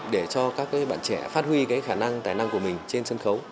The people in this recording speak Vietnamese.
để cho các bạn trẻ phát huy cái khả năng tài năng của mình trên sân khấu